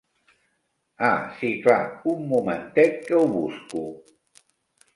Ah si clar, un momentet que ho busco.